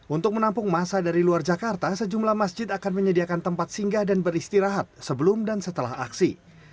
untuk menampung masa dari luar jakarta sejumlah masjid akan menyediakan tempat singgah dan beristirahat sebelum dan setelah aksi